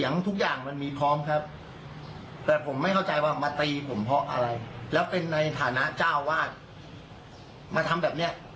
ในฐานะเจ้าอาวาสมาทำแบบนี้